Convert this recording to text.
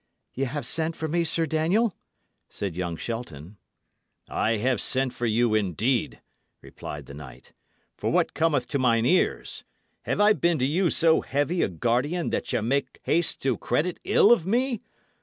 "Y' have sent for me, Sir Daniel?" said young Shelton. "I have sent for you, indeed," replied the knight. "For what cometh to mine ears? Have I been to you so heavy a guardian that ye make haste to credit ill of me?